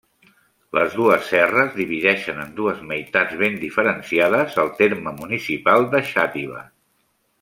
Les dues serres divideixen en dues meitats ben diferenciades el terme municipal de Xàtiva.